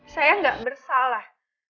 saya gak bersalah